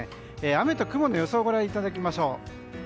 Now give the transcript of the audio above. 雨と雲の予想をご覧いただきましょう。